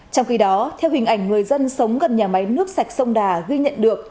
trong khi đó theo hình ảnh người dân sống gần nhà máy nước sạch sông đà ghi nhận được